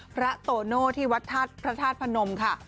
พระโตโนที่วัดพระธาตุพระนมค่ะ